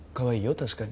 確かに。